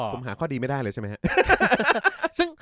ผมหาข้อดีไม่ได้เลยใช่มั้ยฮะ